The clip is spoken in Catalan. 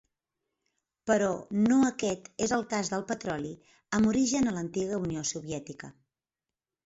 Però no aquest és el cas del petroli amb origen a l'antiga Unió Soviètica.